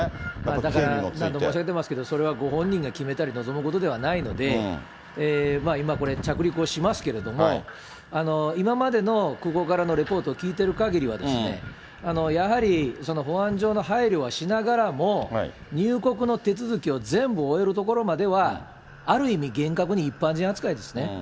だから、何度もおっしゃってますけど、それはご本人が決めたり、望むことではないので、今これ、着陸をしますけれども、今までの空港からのレポートを聞いてるかぎりはですね、やはり保安上の配慮はしながらも入国の手続きを全部終えるところまでは、ある意味、厳格に一般人扱いですね。